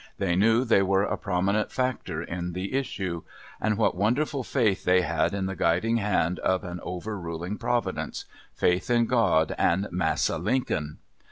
They knew they were a prominent factor in the issue. And what wonderful faith they had in the guiding hand of an over ruling Providence faith in God and Massa Lincoln.